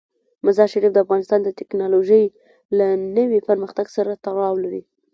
مزارشریف د افغانستان د تکنالوژۍ له نوي پرمختګ سره تړاو لري.